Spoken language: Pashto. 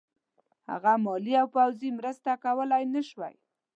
هغه مالي او پوځي مرسته کولای نه شوای.